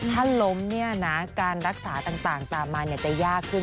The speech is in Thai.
ถ้าล้มเนี่ยนะการรักษาต่างตามมาเนี่ยจะยากขึ้น